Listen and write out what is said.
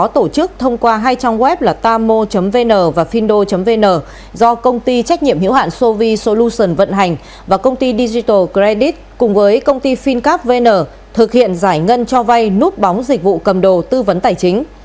trước thông qua hai trăm linh web là tamo vn và findo vn do công ty trách nhiệm hiểu hạn sovi solutions vận hành và công ty digital credit cùng với công ty fincap vn thực hiện giải ngân cho vai nút bóng dịch vụ cầm đồ tư vấn tài chính